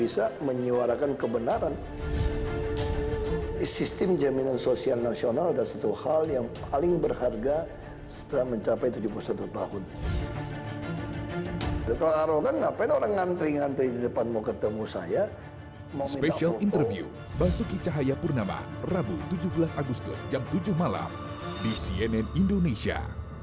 sampai jumpa di video selanjutnya